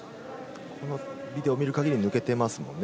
このビデオを見る限りでは抜けていますよね。